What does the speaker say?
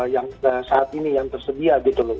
yang saat ini yang tersedia gitu loh